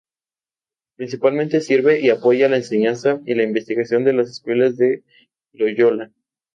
Principalmente sirve y apoya la enseñanza y la investigación en las Escuelas de Loyola.